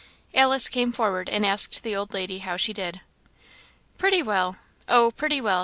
Alice came forward and asked the old lady how she did. "Pretty well! oh!, pretty well!"